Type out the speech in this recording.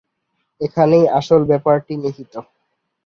এখানেই আসল ব্যাপারটি নিহিত।